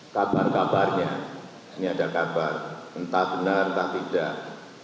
kabar kabarnya ini ada kabar entah benar entah tidak